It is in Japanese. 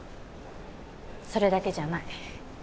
それだけじゃない。